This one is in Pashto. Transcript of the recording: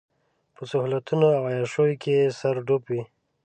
په سهولتونو او عياشيو کې يې سر ډوب وي.